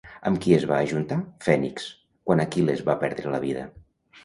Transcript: Amb qui es va ajuntar, Fènix, quan Aquil·les va perdre la vida?